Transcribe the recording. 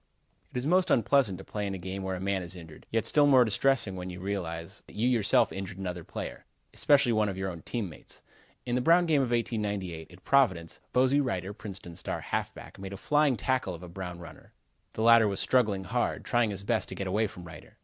It is most unpleasant to play in a game where a man is injured. Yet still more distressing when you realize that you yourself injured another player, especially one of your own team mates. In the Brown game of 1898, at Providence, Bosey Reiter, Princeton's star halfback, made a flying tackle of a Brown runner. The latter was struggling hard, trying his best to get away from Reiter.